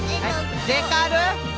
デカル？